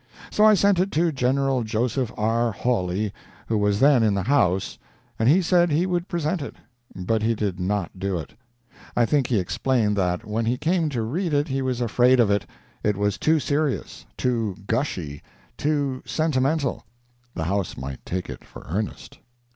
So I sent it to General Joseph R. Hawley, who was then in the House, and he said he would present it. But he did not do it. I think he explained that when he came to read it he was afraid of it: it was too serious, to gushy, too sentimental the House might take it for earnest.